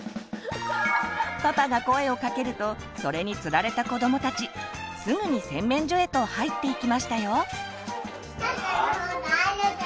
パパが声をかけるとそれに釣られた子どもたちすぐに洗面所へと入っていきましたよ。